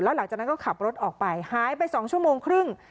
หลังจากนั้นก็ขับรถออกไปหายไป๒ชั่วโมงครึ่ง